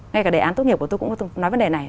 ngay cả đề án tốt nghiệp của tôi cũng có nói vấn đề này